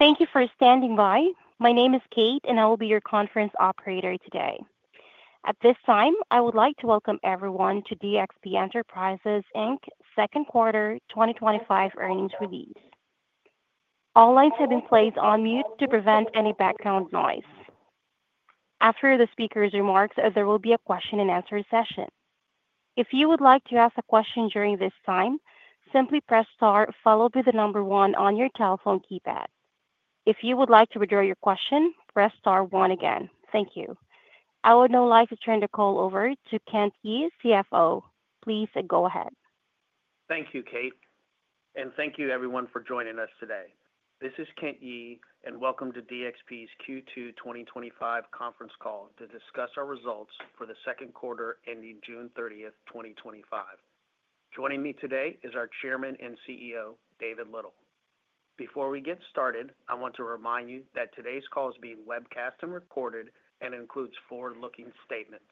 Thank you for standing by. My name is Kate, and I will be your conference operator today. At this time, I would like to welcome everyone to DXP Enterprises Inc.'s Second Quarter 2025 Earnings Release. All lines have been placed on mute to prevent any background noise. After the speaker's remarks, there will be a question and answer session. If you would like to ask a question during this time, simply press star followed by the number one on your telephone keypad. If you would like to withdraw your question, press star one again. Thank you. I would now like to turn the call over to Kent Yee, CFO. Please go ahead. Thank you, Kate, and thank you everyone for joining us today. This is Kent Yee, and welcome to DXP Q2 2025 conference call to discuss our results for the second quarter ending June 30, 2025. Joining me today is our Chairman and CEO, David Little. Before we get started, I want to remind you that today's call is being webcast and recorded and includes forward-looking statements.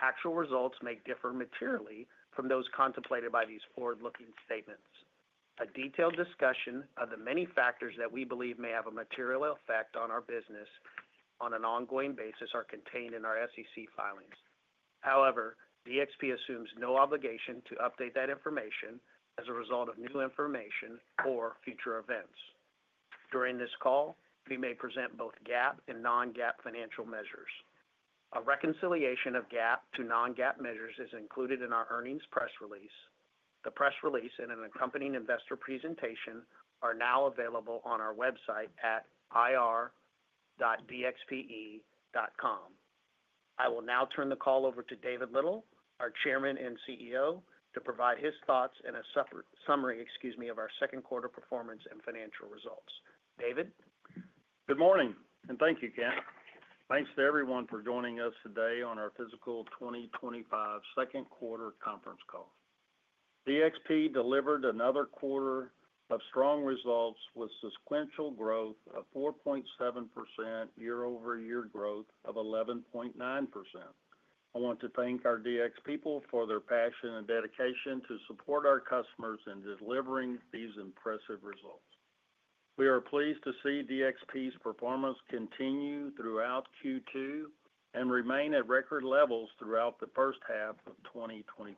Actual results may differ materially from those contemplated by these forward-looking statements. A detailed discussion of the many factors that we believe may have a material effect on our business on an ongoing basis are contained in our SEC filings. However, DXP Enterprises assumes no obligation to update that information as a result of new information or future events. During this call, we may present both GAAP and non-GAAP financial measures. A reconciliation of GAAP to non-GAAP measures is included in our earnings press release. The press release and an accompanying investor presentation are now available on our website at ir.dxpe.com. I will now turn the call over to David Little, our Chairman and CEO, to provide his thoughts and a summary of our second quarter performance and financial results. David? Good morning, and thank you, Kent. Thanks to everyone for joining us today on our fiscal 2025 second quarter conference call. DXP Enterprises delivered another quarter of strong results with sequential growth of 4.7% and year-over-year growth of 11.9%. I want to thank our DXP people for their passion and dedication to support our customers in delivering these impressive results. We are pleased to see DXP's performance continue throughout Q2 and remain at record levels throughout the first half of 2025.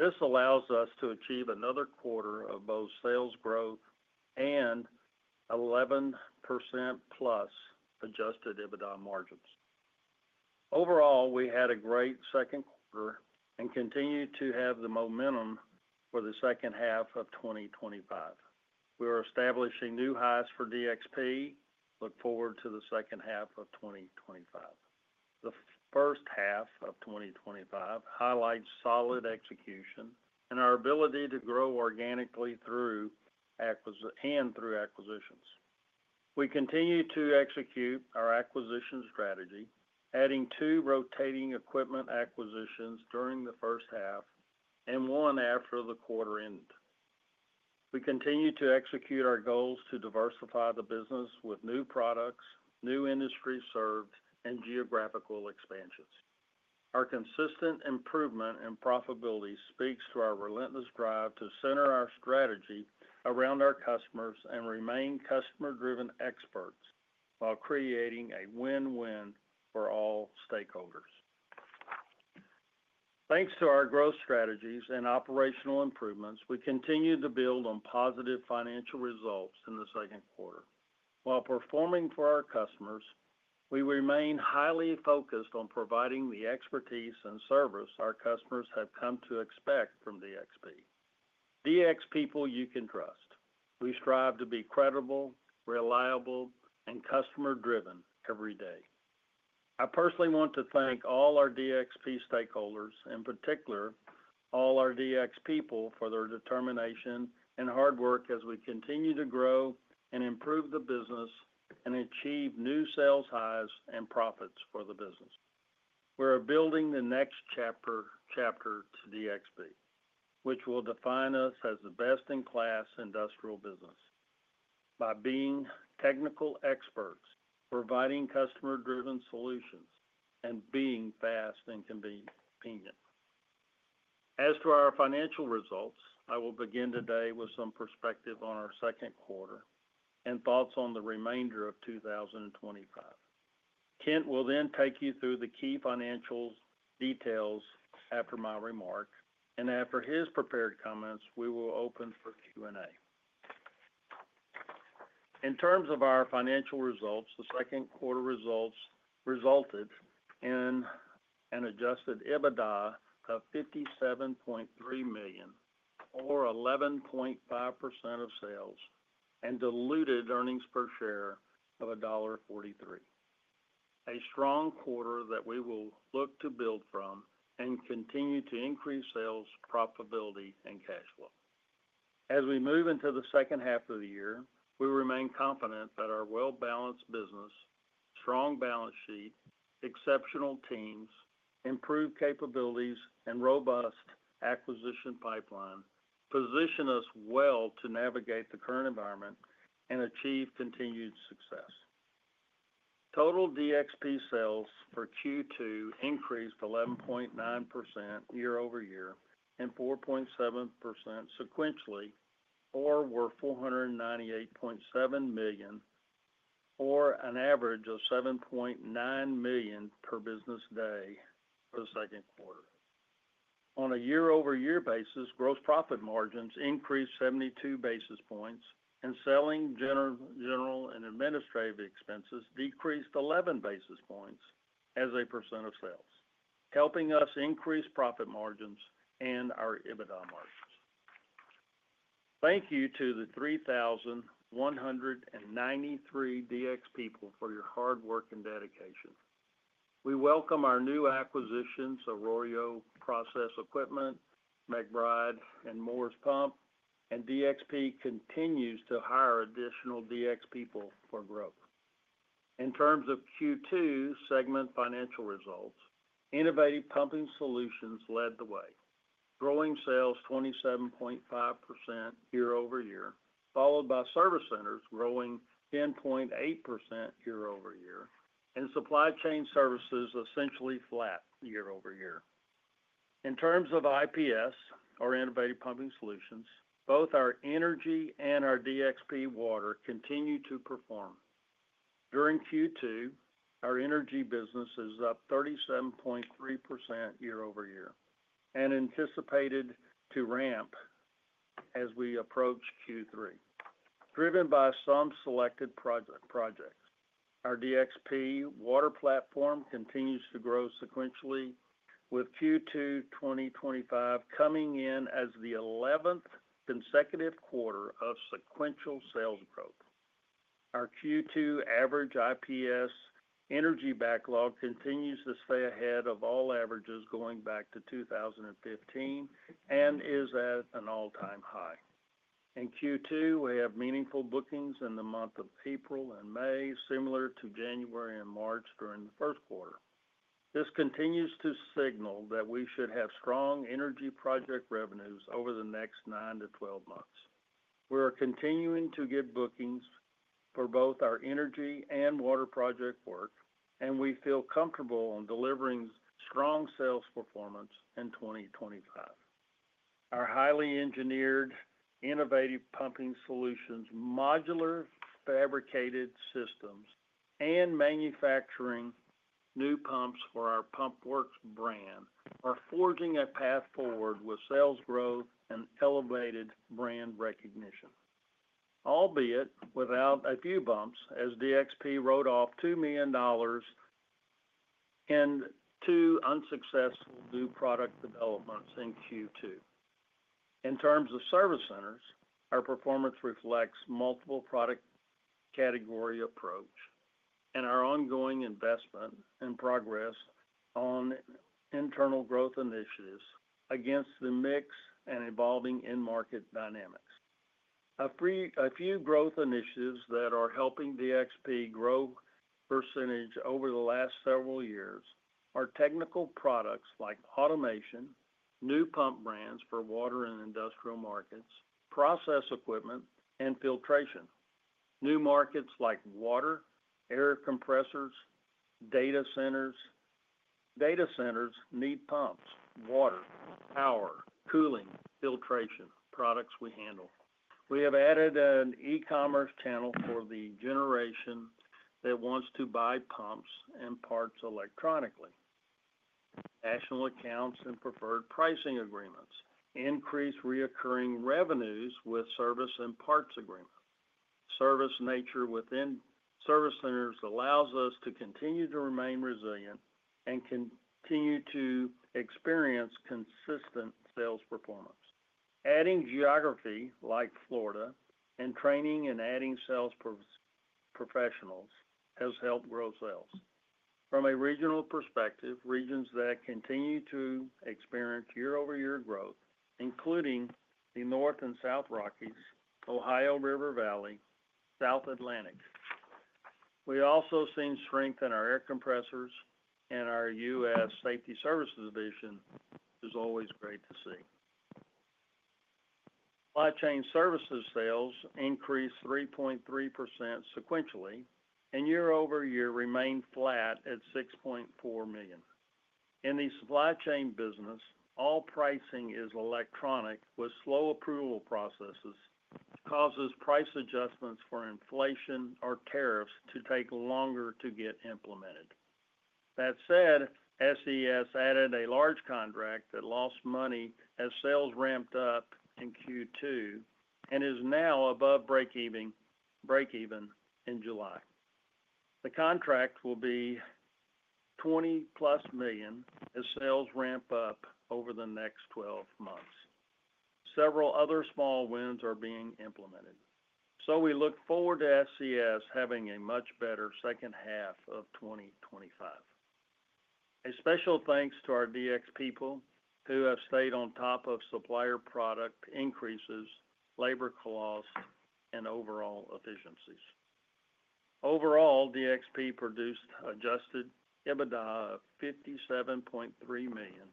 This allows us to achieve another quarter of both sales growth and 11%+ adjusted EBITDA margins. Overall, we had a great second quarter and continue to have the momentum for the second half of 2025. We are establishing new highs for DXP. Look forward to the second half of 2025. The first half of 2025 highlights solid execution and our ability to grow organically through acquisitions. We continue to execute our acquisition strategy, adding two rotating equipment acquisitions during the first half and one after the quarter ends. We continue to execute our goals to diversify the business with new products, new industries served, and geographical expansions. Our consistent improvement in profitability speaks to our relentless drive to center our strategy around our customers and remain customer-driven experts while creating a win-win for all stakeholders. Thanks to our growth strategies and operational improvements, we continue to build on positive financial results in the second quarter. While performing for our customers, we remain highly focused on providing the expertise and service our customers have come to expect from DXP. DXP people you can trust. We strive to be credible, reliable, and customer-driven every day. I personally want to thank all our DXP stakeholders, in particular, all our DXP people for their determination and hard work as we continue to grow and improve the business and achieve new sales highs and profits for the business. We're building the next chapter to DXP, which will define us as the best-in-class industrial business by being technical experts, providing customer-driven solutions, and being fast and convenient. As to our financial results, I will begin today with some perspective on our second quarter and thoughts on the remainder of 2025. Kent will then take you through the key financial details after my remarks, and after his prepared comments, we will open for Q&A. In terms of our financial results, the second quarter results resulted in an adjusted EBITDA of $57.3 million or 11.5% of sales and diluted earnings per share of $1.43. A strong quarter that we will look to build from and continue to increase sales, profitability, and cash flow. As we move into the second half of the year, we remain confident that our well-balanced business, strong balance sheet, exceptional teams, improved capabilities, and robust acquisition pipeline position us well to navigate the current environment and achieve continued success. Total DXP sales for Q2 increased 11.9% year-over-year and 4.7% sequentially or were $498.7 million or an average of $7.9 million per business day for the second quarter. On a year-over-year basis, gross profit margins increased 72 basis points, and selling, general, and administrative expenses decreased 11 basis points as a percent of sales, helping us increase profit margins and our EBITDA margins. Thank you to the 3,193 DX people for your hard work and dedication. We welcome our new acquisitions, Arroyo Process Equipment, McBride Machinery, and Moores Pump and Service, and DXP continues to hire additional DX people for growth. In terms of Q2 segment financial results, Innovative Pumping Solutions led the way, growing sales 27.5% year-over-year, followed by Service Centers growing 10.8% year-over-year, and Supply Chain Services essentially flat year-over-year. In terms of IPS, our Innovative Pumping Solutions, both our energy and our DXP Water continue to perform. During Q2, our energy business is up 37.3% year-over-year and anticipated to ramp as we approach Q3. Driven by some selected projects, our DXP Water platform continues to grow sequentially, with Q2 2025 coming in as the 11th consecutive quarter of sequential sales growth. Our Q2 average IPS energy backlog continues to stay ahead of all averages going back to 2015 and is at an all-time high. In Q2, we have meaningful bookings in the month of April and May, similar to January and March during the first quarter. This continues to signal that we should have strong energy project revenues over the next nine to 12 months. We are continuing to get bookings for both our energy and water project work, and we feel comfortable in delivering strong sales performance in 2025. Our highly engineered, innovative pumping solutions, modular fabricated systems, and manufacturing new pumps for our PumpWorks brand are forging a path forward with sales growth and elevated brand recognition, albeit with a few bumps as DXP wrote off $2 million in two unsuccessful new product developments in Q2. In terms of service centers, our performance reflects a multiple product category approach and our ongoing investment and progress on internal growth initiatives against the mix and evolving in-market dynamics. A few growth initiatives that are helping DXP grow % over the last several years are technical products like automation, new pump brands for water and industrial markets, process equipment, and filtration. New markets like water, air compressors, data centers need pumps, water, power, cooling, filtration products we handle. We have added an e-commerce channel for the generation that wants to buy pumps and parts electronically. National accounts and preferred pricing agreements increase recurring revenues with service and parts agreements. Service nature within service centers allows us to continue to remain resilient and continue to experience consistent sales performance. Adding geography like Florida and training and adding sales professionals has helped grow sales. From a regional perspective, regions that continue to experience year-over-year growth include the North and South Rockies, Ohio River Valley, and South Atlantic. We also see strength in our air compressors and our US safety services vision, which is always great to see. Supply chain services sales increased 3.3% sequentially and year-over-year remained flat at $6.4 million. In the supply chain business, all pricing is electronic with slow approval processes that cause price adjustments for inflation or tariffs to take longer to get implemented. That said, SES added a large contract that lost money as sales ramped up in Q2 and is now above breakeven in July. The contract will be $20+ million as sales ramp up over the next 12 months. Several other small wins are being implemented. We look forward to SES having a much better second half of 2025. A special thanks to our DXP people who have stayed on top of supplier product increases, labor costs, and overall efficiencies. Overall, DXP produced adjusted EBITDA of $57.3 million,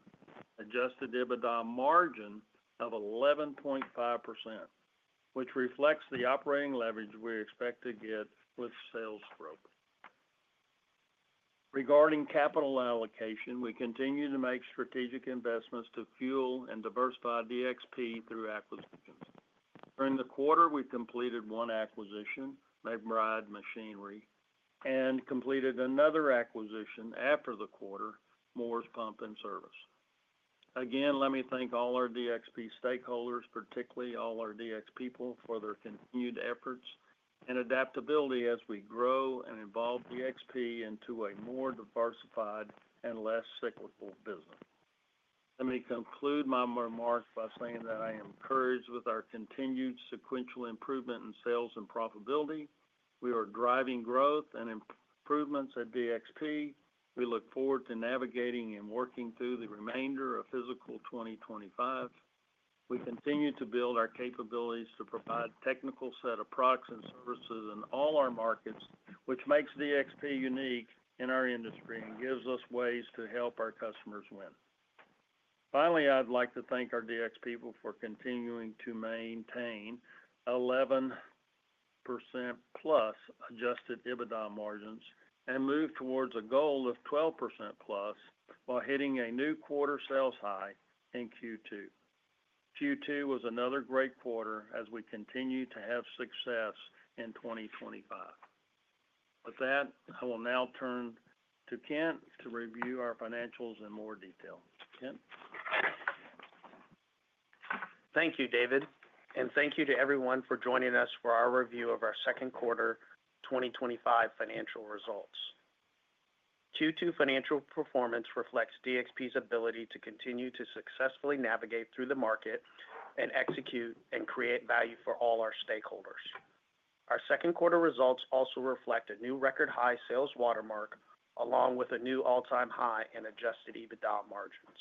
adjusted EBITDA margin of 11.5%, which reflects the operating leverage we expect to get with sales growth. Regarding capital allocation, we continue to make strategic investments to fuel and diversify DXP through acquisitions. During the quarter, we completed one acquisition, McBride Machinery, and completed another acquisition after the quarter, Moores Pump and Service. Again, let me thank all our DXP stakeholders, particularly all our DX people, for their continued efforts and adaptability as we grow and evolve DXP into a more diversified and less cyclical business. Let me conclude my remarks by saying that I am encouraged with our continued sequential improvement in sales and profitability. We are driving growth and improvements at DXP. We look forward to navigating and working through the remainder of fiscal 2025. We continue to build our capabilities to provide a technical set of products and services in all our markets, which makes DXP unique in our industry and gives us ways to help our customers win. Finally, I'd like to thank our DX people for continuing to maintain 11% plus adjusted EBITDA margins and move towards a goal of 12% plus while hitting a new quarter sales high in Q2. Q2 was another great quarter as we continue to have success in 2025. With that, I will now turn to Kent to review our financials in more detail. Kent? Thank you, David, and thank you to everyone for joining us for our review of our second quarter 2025 financial results. Q2 financial performance reflects DXP Enterprises' ability to continue to successfully navigate through the market and execute and create value for all our stakeholders. Our second quarter results also reflect a new record high sales watermark along with a new all-time high in adjusted EBITDA margins.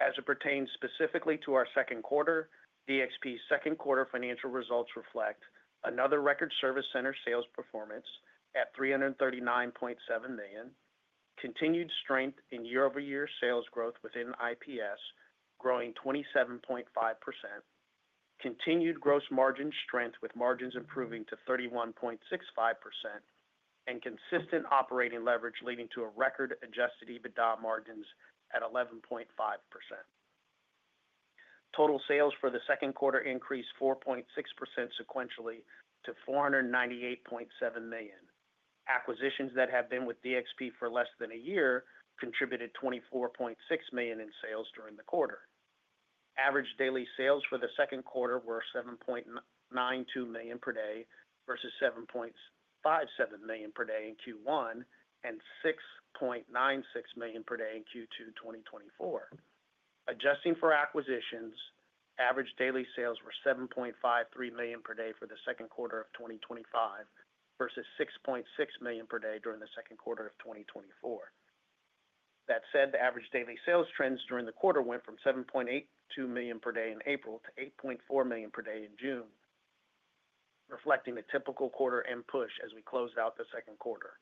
As it pertains specifically to our second quarter, DXP Enterprises' second quarter financial results reflect another record Service Centers sales performance at $339.7 million, continued strength in year-over-year sales growth within Innovative Pumping Solutions growing 27.5%, continued gross margin strength with margins improving to 31.65%, and consistent operating leverage leading to a record adjusted EBITDA margin at 11.5%. Total sales for the second quarter increased 4.6% sequentially to $498.7 million. Acquisitions that have been with DXP Enterprises for less than a year contributed $24.6 million in sales during the quarter. Average daily sales for the second quarter were $7.92 million per day versus $7.57 million per day in Q1 and $6.96 million per day in Q2 2024. Adjusting for acquisitions, average daily sales were $7.53 million per day for the second quarter of 2025 versus $6.6 million per day during the second quarter of 2024. That said, the average daily sales trends during the quarter went from $7.82 million per day in April to $8.4 million per day in June, reflecting a typical quarter end push as we closed out the second quarter.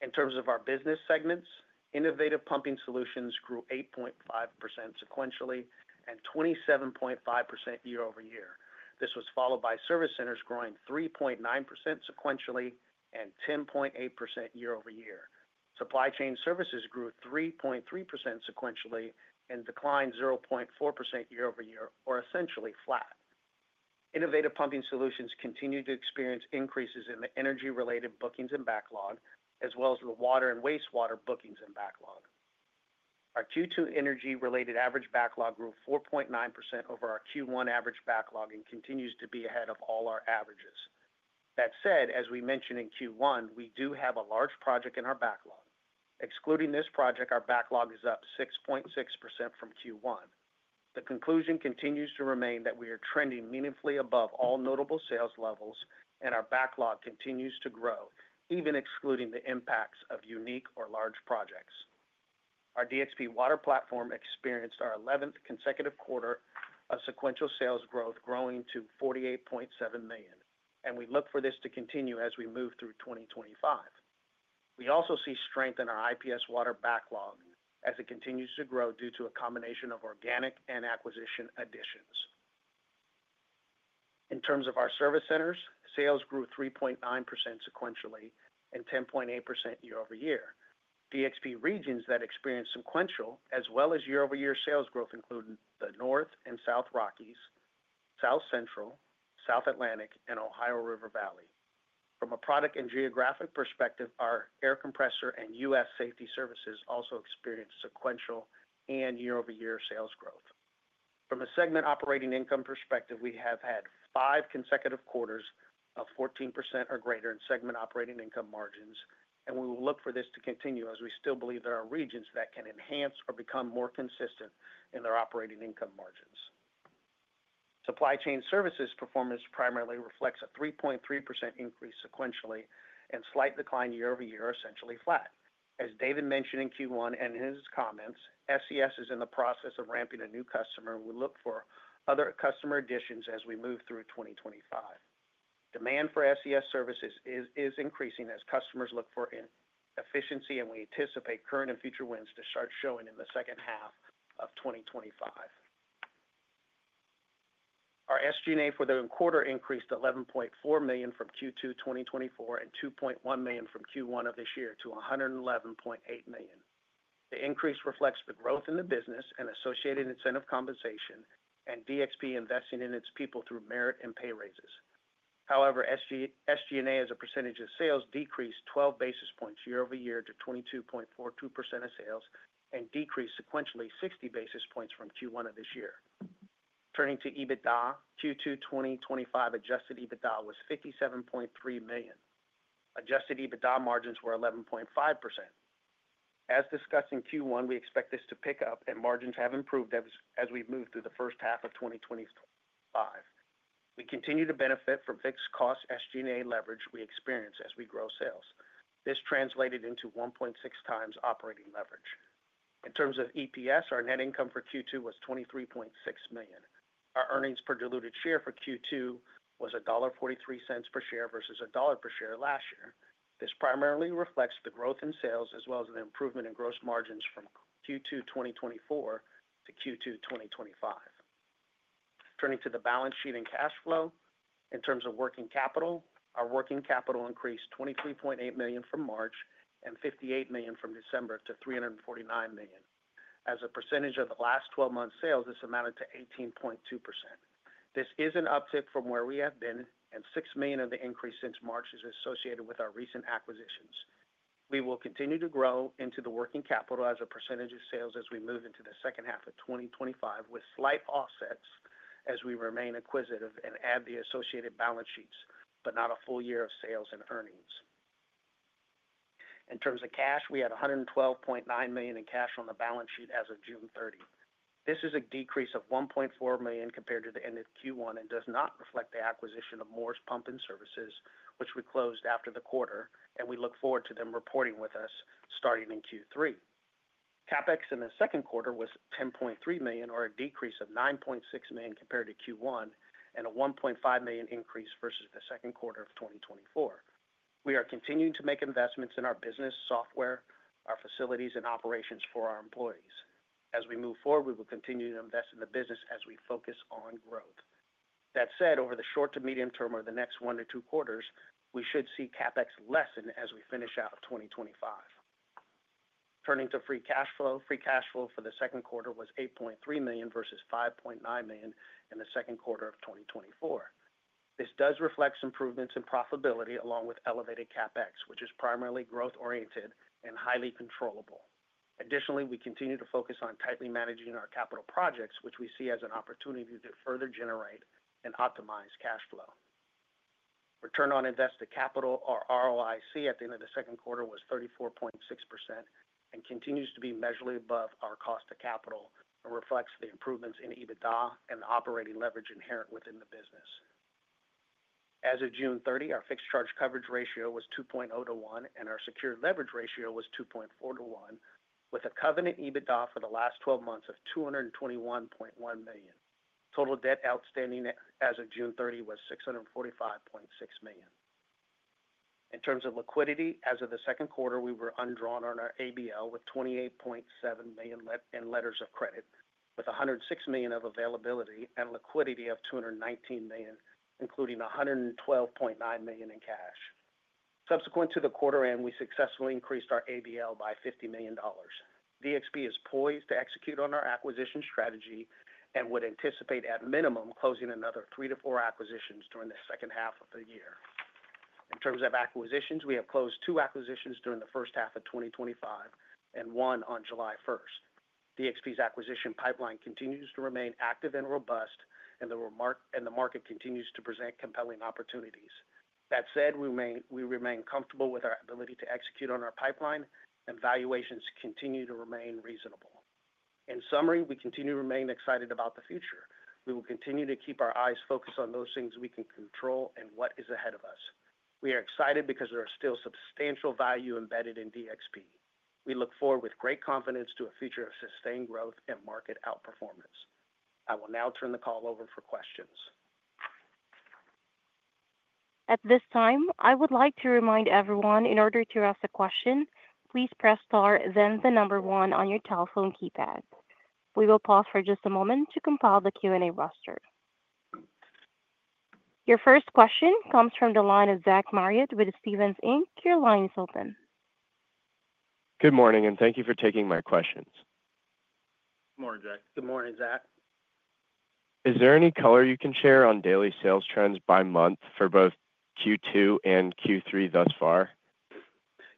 In terms of our business segments, Innovative Pumping Solutions grew 8.5% sequentially and 27.5% year-over-year. This was followed by Service Centers growing 3.9% sequentially and 10.8% year-over-year. Supply Chain Services grew 3.3% sequentially and declined 0.4% year-over-year or essentially flat. Innovative Pumping Solutions continued to experience increases in the energy-related bookings and backlog, as well as the water and wastewater bookings and backlog. Our Q2 energy-related average backlog grew 4.9% over our Q1 average backlog and continues to be ahead of all our averages. That said, as we mentioned in Q1, we do have a large project in our backlog. Excluding this project, our backlog is up 6.6% from Q1. The conclusion continues to remain that we are trending meaningfully above all notable sales levels, and our backlog continues to grow, even excluding the impacts of unique or large projects. Our DXP water platform experienced our 11th consecutive quarter of sequential sales growth, growing to $48.7 million, and we look for this to continue as we move through 2025. We also see strength in our IPS water backlog as it continues to grow due to a combination of organic and acquisition additions. In terms of our service centers, sales grew 3.9% sequentially and 10.8% year-over-year. DXP regions that experienced sequential as well as year-over-year sales growth include the North and South Rockies, South Central, South Atlantic, and Ohio River Valley. From a product and geographic perspective, our air compressors and US safety services also experienced sequential and year-over-year sales growth. From a segment operating income perspective, we have had five consecutive quarters of 14% or greater in segment operating income margins, and we will look for this to continue as we still believe there are regions that can enhance or become more consistent in their operating income margins. Supply chain services performance primarily reflects a 3.3% increase sequentially and slight decline year-over-year, essentially flat. As David mentioned in Q1 and in his comments, SES is in the process of ramping a new customer, and we look for other customer additions as we move through 2025. Demand for SES services is increasing as customers look for efficiency, and we anticipate current and future wins to start showing in the second half of 2025. Our SG&A for the quarter increased $11.4 million from Q2 2024 and $2.1 million from Q1 of this year to $111.8 million. The increase reflects the growth in the business and associated incentive compensation and DXP investing in its people through merit and pay raises. However, SG&A as a percentage of sales decreased 12 basis points year-over-year to 22.42% of sales and decreased sequentially 60 basis points from Q1 of this year. Turning to EBITDA, Q2 2025 adjusted EBITDA was $57.3 million. Adjusted EBITDA margins were 11.5%. As discussed in Q1, we expect this to pick up and margins have improved as we move through the first half of 2025. We continue to benefit from fixed cost SG&A leverage we experience as we grow sales. This translated into 1.6 times operating leverage. In terms of EPS, our net income for Q2 was $23.6 million. Our earnings per diluted share for Q2 was $1.43 per share versus $1.00 per share last year. This primarily reflects the growth in sales as well as the improvement in gross margins from Q2 2024 to Q2 2025. Turning to the balance sheet and cash flow, in terms of working capital, our working capital increased $23.8 million from March and $58 million from December to $349 million. As a percentage of the last 12 months' sales, this amounted to 18.2%. This is an uptick from where we have been, and $6 million of the increase since March is associated with our recent acquisitions. We will continue to grow into the working capital as a percentage of sales as we move into the second half of 2025 with slight offsets as we remain acquisitive and add the associated balance sheets, but not a full year of sales and earnings. In terms of cash, we had $112.9 million in cash on the balance sheet as of June 30. This is a decrease of $1.4 million compared to the end of Q1 and does not reflect the acquisition of Moores Pump and Service, which we closed after the quarter, and we look forward to them reporting with us starting in Q3. CapEx in the second quarter was $10.3 million, or a decrease of $9.6 million compared to Q1, and a $1.5 million increase versus the second quarter of 2024. We are continuing to make investments in our business, software, our facilities, and operations for our employees. As we move forward, we will continue to invest in the business as we focus on growth. That said, over the short to medium term or the next one to two quarters, we should see CapEx lessen as we finish out of 2025. Turning to free cash flow, free cash flow for the second quarter was $8.3 million versus $5.9 million in the second quarter of 2024. This does reflect improvements in profitability along with elevated CapEx, which is primarily growth-oriented and highly controllable. Additionally, we continue to focus on tightly managing our capital projects, which we see as an opportunity to further generate and optimize cash flow. Return on invested capital, or ROIC, at the end of the second quarter was 34.6% and continues to be measurably above our cost of capital and reflects the improvements in EBITDA and the operating leverage inherent within the business. As of June 30, our fixed charge coverage ratio was 2.0 to 1, and our secured leverage ratio was 2.4 to 1, with a covenant EBITDA for the last 12 months of $221.1 million. Total debt outstanding as of June 30 was $645.6 million. In terms of liquidity, as of the second quarter, we were undrawn on our ABL with $28.7 million in letters of credit, with $106 million of availability and liquidity of $219 million, including $112.9 million in cash. Subsequent to the quarter end, we successfully increased our ABL by $50 million. DXP is poised to execute on our acquisition strategy and would anticipate at minimum closing another three to four acquisitions during the second half of the year. In terms of acquisitions, we have closed two acquisitions during the first half of 2025 and one on July 1. DXP's acquisition pipeline continues to remain active and robust, and the market continues to present compelling opportunities. That said, we remain comfortable with our ability to execute on our pipeline, and valuations continue to remain reasonable. In summary, we continue to remain excited about the future. We will continue to keep our eyes focused on those things we can control and what is ahead of us. We are excited because there is still substantial value embedded in DXP. We look forward with great confidence to a future of sustained growth and market outperformance. I will now turn the call over for questions. At this time, I would like to remind everyone, in order to ask a question, please press star, then the number one on your telephone keypad. We will pause for just a moment to compile the Q&A roster. Your first question comes from the line of Zach Marriott with Stephens Inc. Your line is open. Good morning, and thank you for taking my questions. Good morning, Zach. Good morning, Zach. Is there any color you can share on daily sales trends by month for both Q2 and Q3 thus far?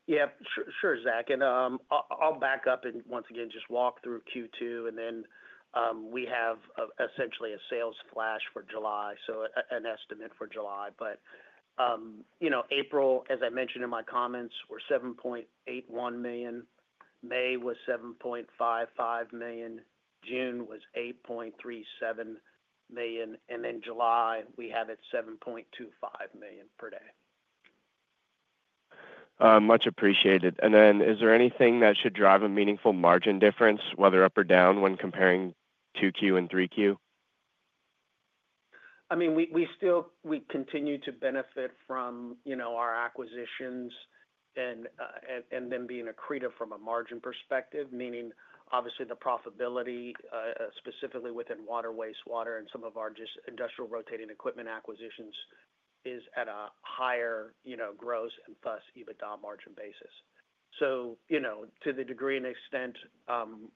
Yeah, sure, Zach. I'll back up and once again just walk through Q2. We have essentially a sales flash for July, so an estimate for July. April, as I mentioned in my comments, was $7.81 million. May was $7.55 million. June was $8.37 million. In July, we have it at $7.25 million per day. Much appreciated. Is there anything that should drive a meaningful margin difference, whether up or down, when comparing 2Q and 3Q? We continue to benefit from our acquisitions and them being accretive from a margin perspective, meaning obviously the profitability, specifically within water, wastewater, and some of our just industrial rotating equipment acquisitions is at a higher gross and thus EBITDA margin basis. To the degree and extent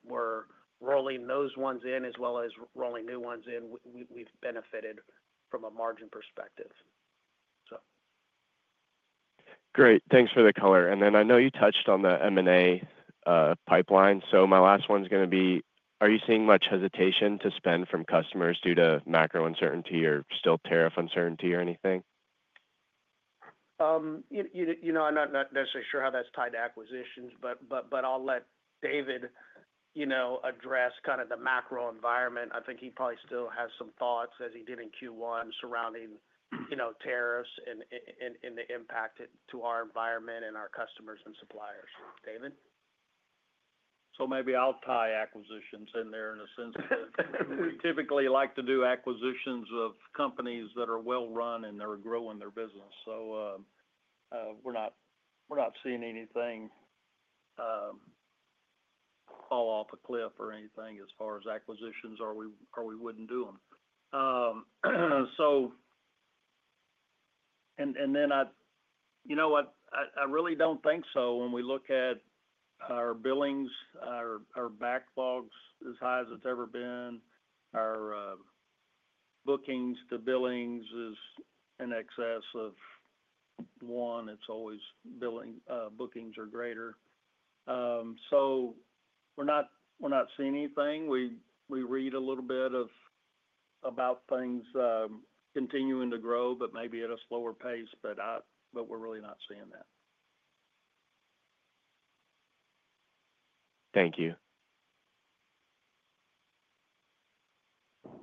we're rolling those ones in as well as rolling new ones in, we've benefited from a margin perspective. Great. Thanks for the color. I know you touched on the M&A pipeline. My last one's going to be, are you seeing much hesitation to spend from customers due to macro uncertainty or still tariff uncertainty or anything? I'm not necessarily sure how that's tied to acquisitions, but I'll let David address kind of the macro environment. I think he probably still has some thoughts as he did in Q1 surrounding tariffs and the impact to our environment and our customers and suppliers. David? Maybe I'll tie acquisitions in there in a sense. We typically like to do acquisitions of companies that are well run and they're growing their business. We're not seeing anything fall off a cliff or anything as far as acquisitions or we wouldn't do them. I really don't think so. When we look at our billings, our backlog's as high as it's ever been. Our bookings to billings is in excess of one. It's always bookings are greater. We're not seeing anything. We read a little bit about things continuing to grow, but maybe at a slower pace. We're really not seeing that. Thank you.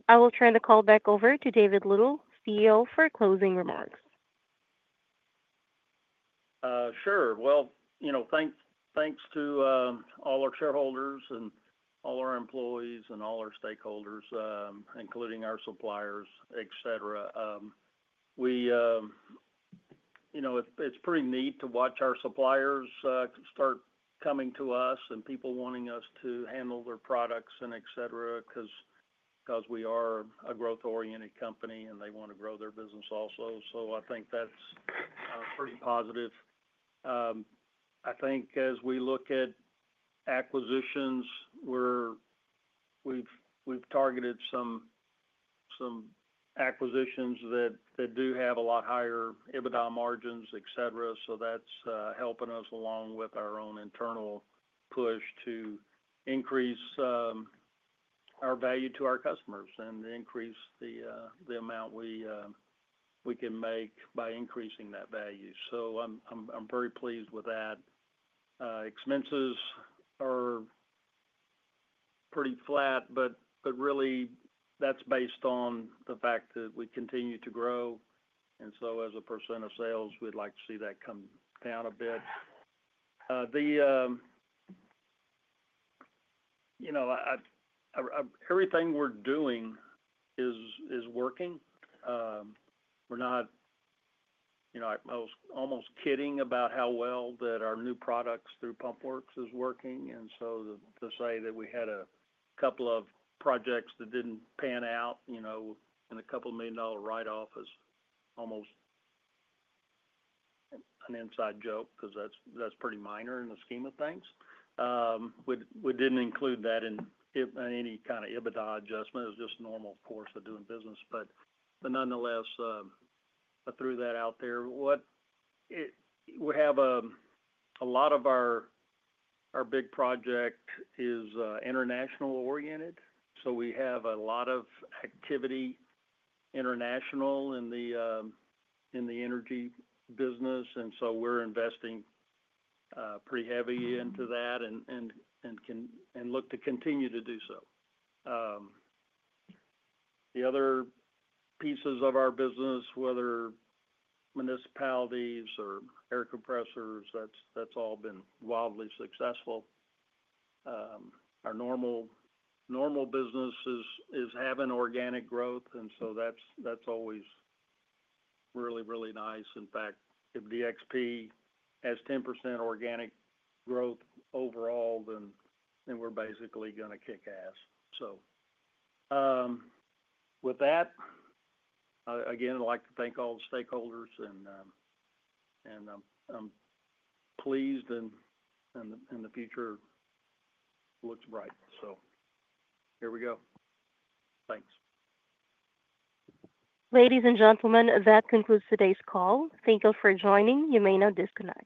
I will turn the call back over to David Little, CEO, for closing remarks. Sure. Thanks to all our shareholders and all our employees and all our stakeholders, including our suppliers, etc. It's pretty neat to watch our suppliers start coming to us and people wanting us to handle their products, etc. because we are a growth-oriented company and they want to grow their business also. I think that's pretty positive. I think as we look at acquisitions, we've targeted some acquisitions that do have a lot higher EBITDA margins, etc. That's helping us along with our own internal push to increase our value to our customers and increase the amount we can make by increasing that value. I'm very pleased with that. Expenses are pretty flat, but really, that's based on the fact that we continue to grow. As a percent of sales, we'd like to see that come down a bit. Everything we're doing is working. I was almost kidding about how well our new products through PumpWorks are working. To say that we had a couple of projects that didn't pan out, and a couple of million dollar write-off is almost an inside joke because that's pretty minor in the scheme of things. We didn't include that in any kind of EBITDA adjustment. It was just a normal course of doing business. Nonetheless, I threw that out there. We have a lot of our big project is international-oriented. We have a lot of activity international in the energy business. We're investing pretty heavy into that and look to continue to do so. The other pieces of our business, whether municipalities or air compressors, that's all been wildly successful. Our normal business is having organic growth. That's always really, really nice. In fact, if DXP has 10% organic growth overall, then we're basically going to kick ass. With that, again, I'd like to thank all the stakeholders, and I'm pleased, and the future looks bright. Here we go. Thanks. Ladies and gentlemen, that concludes today's call. Thank you for joining. You may now disconnect.